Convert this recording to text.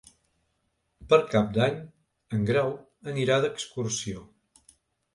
Per Cap d'Any en Grau anirà d'excursió.